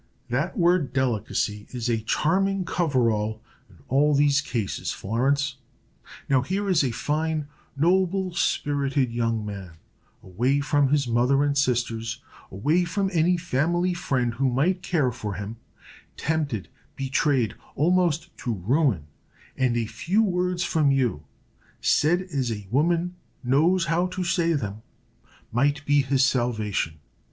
"That word delicacy is a charming cover all in all these cases, Florence. Now, here is a fine, noble spirited young man, away from his mother and sisters, away from any family friend who might care for him, tempted, betrayed, almost to ruin, and a few words from you, said as a woman knows how to say them, might be his salvation.